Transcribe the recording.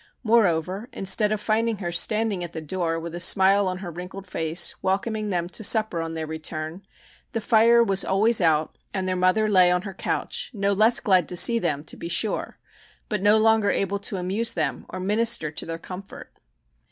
Moreover, instead of finding her standing at the door with a smile on her wrinkled face, welcoming them to supper on their return, the fire was always out and their mother lay on her couch, no less glad to see them, to be sure, but no longer able to amuse them or minister to their comfort.